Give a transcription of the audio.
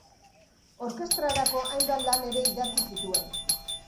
Orkestrarako hainbat lan ere idatzi zituen.